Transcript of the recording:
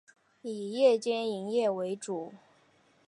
以夜间营业为主。